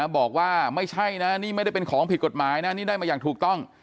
บอกว่าไม่ใช่นะนี่ไม่ได้เป็นของผิดกฎหมายนะนี่ได้มาอย่างถูกต้อง